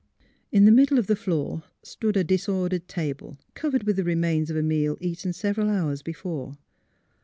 In the middle of the floor stood a disordered table, covered with the remains of a meal eaten several hours before.